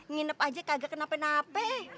nginep aja kagak kenapa nape